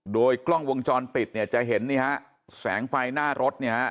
โดยกล้องวงจรปิดเนี่ยจะเห็นนี่ฮะแสงไฟหน้ารถเนี่ยฮะ